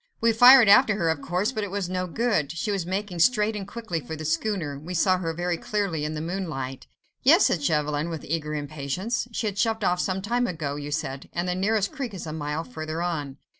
We fired after her, but of course, it was no good. She was making straight and quickly for the schooner. We saw her very clearly in the moonlight." "Yes," said Chauvelin, with eager impatience, "she had shoved off some time ago, you said, and the nearest creek is a mile further on."